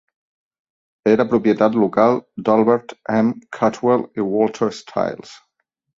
Era propietat local d"Albert M. Cadwell i Walter Stiles.